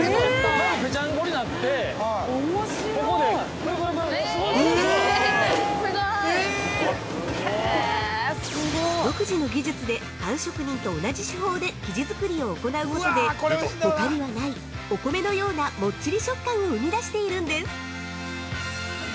◆まずぺちゃんこになって、ここで、くるくるくるくる◆すごい！◆独自の技術で、パン職人と同じ手法で生地作りを行うことでほかにはない、お米のようなもっちり食感を生み出しているんです。